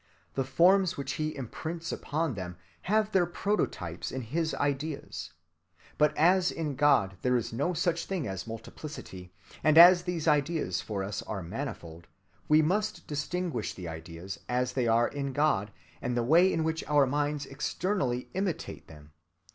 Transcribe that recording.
The forms which he imprints upon them have their prototypes in his ideas. But as in God there is no such thing as multiplicity, and as these ideas for us are manifold, we must distinguish the ideas as they are in God and the way in which our minds externally imitate them.